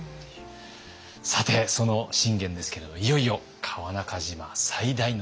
さてその信玄ですけれどもいよいよ川中島最大の戦いに臨みます。